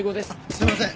すいません。